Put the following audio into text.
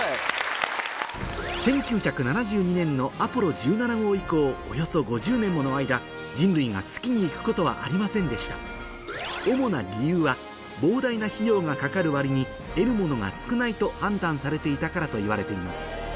１９７２年のアポロ１７号以降およそ５０年もの間人類が月に行くことはありませんでした主な理由は膨大な費用がかかる割に得るものが少ないと判断されていたからといわれています